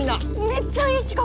めっちゃいい企画！